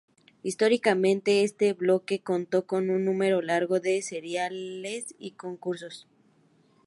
Históricamente, este bloque contó con un número largo de seriales y concursos.